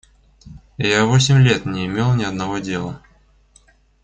Я в восемь лет не имел ни одного дела.